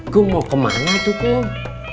kum mau kemana tuh kum